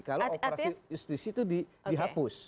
kalau operasi justisi itu dihapus